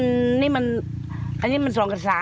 อันนี้มัน๒๐โปรเวศ